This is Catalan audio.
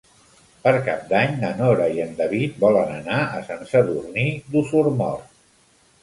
Per Cap d'Any na Nora i en David volen anar a Sant Sadurní d'Osormort.